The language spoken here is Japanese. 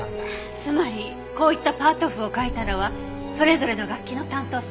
つまりこういったパート譜を書いたのはそれぞれの楽器の担当者。